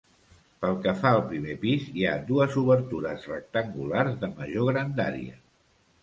Pel que fa al primer pis, hi ha dues obertures rectangulars de major grandària.